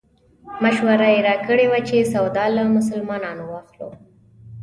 مشوره یې راکړې وه چې سودا له مسلمانانو واخلو.